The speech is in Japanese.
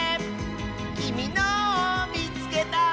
「きみのをみつけた！」